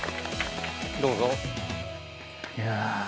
どうぞ。